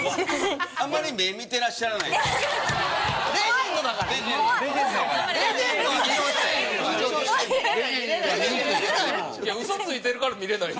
あんまり目を見ていらっしゃらない。